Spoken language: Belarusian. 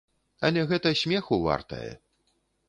Але гэта смеху вартае.